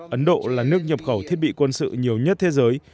ấn độ là nước nhập khẩu thiết bị quân sự nhiều nhất thế giới